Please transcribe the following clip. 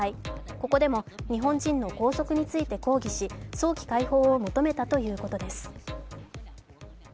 ここでも日本人の拘束について抗議し早期解放を求めたということです。